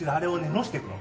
のしていくの。